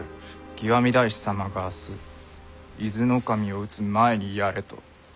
極大師様が「明日伊豆守を討つ前にやれ」と。